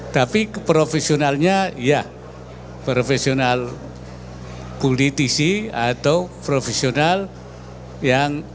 tapi keprofesionalnya ya profesional politisi atau profesional yang